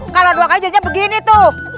kalau dua kali aja begini tuh